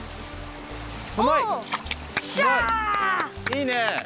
いいね！